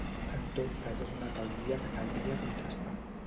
En tot cas és una teoria que caldria contrastar.